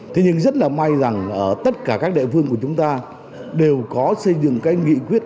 thế nhưng rất là may rằng ở tất cả các địa phương của chúng ta đều có xây dựng cái nghị quyết